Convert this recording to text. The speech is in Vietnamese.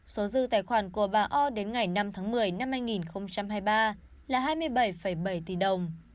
số dư tài khoản của bà o đến ngày năm tháng một mươi năm hai nghìn hai mươi ba là hai mươi bảy bảy tỷ đồng